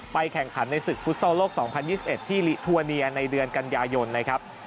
แข่งขันในศึกฟุตซอลโลก๒๐๒๑ที่ลิทัวเนียในเดือนกันยายนนะครับ